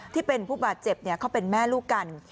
ที่เป็นผู้บาดเจ็บเขาเป็นแม่ลูกกัน